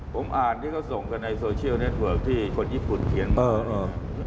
ผมอ่านที่เขาส่งกันในโซเชียลเน็ตเวิร์กที่คนญี่ปุ่นเขียนมา